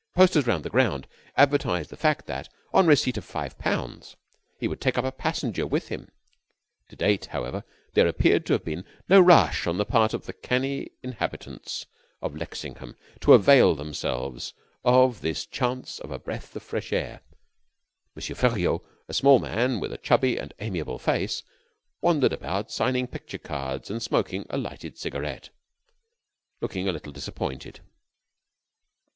Posters round the ground advertised the fact that, on receipt of five pounds, he would take up a passenger with him. To date, however, there appeared to have been no rush on the part of the canny inhabitants of Lexingham to avail themselves of this chance of a breath of fresh air. M. Feriaud, a small man with a chubby and amiable face, wandered about signing picture cards and smoking a lighted cigaret, looking a little disappointed.